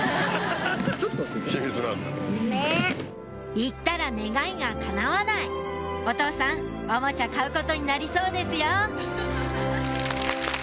言ったら願いが叶わないお父さんおもちゃ買うことになりそうですよ！